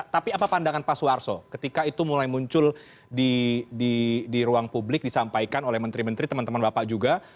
tapi apa pandangan pak suarso ketika itu mulai muncul di ruang publik disampaikan oleh menteri menteri teman teman bapak juga